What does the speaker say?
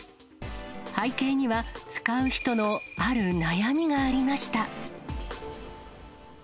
背景には、使う人の、ある悩みがありました。